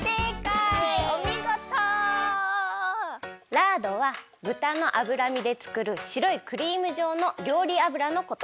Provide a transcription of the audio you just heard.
ラードはぶたの脂身でつくるしろいクリームじょうのりょうり油のこと。